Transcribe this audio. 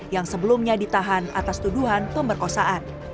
yang sebelumnya ditahan atas tuduhan pemerkosaan